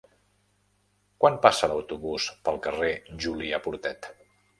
Quan passa l'autobús pel carrer Julià Portet?